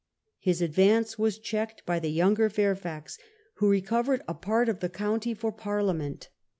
His advance was checked by the younger Fairfax, who recovered a part of the county for Parliament.